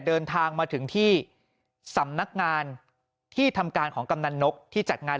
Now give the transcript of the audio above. เดินทางมาถึงที่สำนักงานที่ทำการของกำนันนกที่จัดงาน